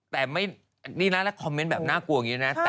แต่นี่นะคอมเมนต์แบบน่ากลัวอย่างนี้นะ